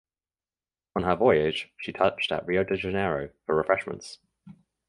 On her voyage she touched at Rio de Janeiro for refreshments.